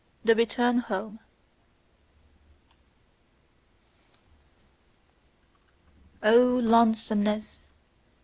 THE RETURN HOME. O lonesomeness!